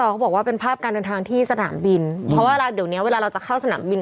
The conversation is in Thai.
เขาบอกว่าเป็นภาพการเดินทางที่สนามบินเพราะว่าเดี๋ยวเนี้ยเวลาเราจะเข้าสนามบิน